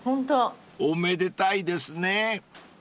［おめでたいですね］